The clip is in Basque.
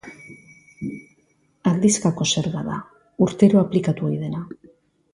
Aldizkako zerga da, urtero aplikatu ohi dena.